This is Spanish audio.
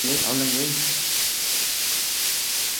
El magma sólido que quedó es lo que constituye y da forma al monolito.